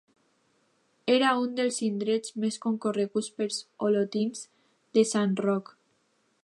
Era un dels indrets més concorreguts pels olotins des de Sant Roc.